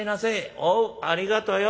「おうありがとよ。